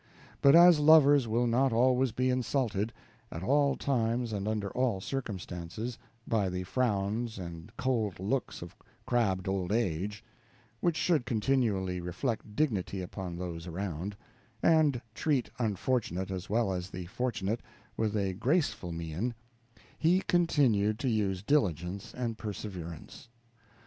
But as lovers will not always be insulted, at all times and under all circumstances, by the frowns and cold looks of crabbed old age, which should continually reflect dignity upon those around, and treat unfortunate as well as the fortunate with a graceful mien, he continued to use diligence and perseverance.